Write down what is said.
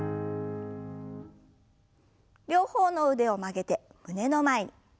両方の腕を曲げて胸の前に。